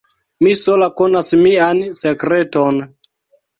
Vi sola konas mian sekreton.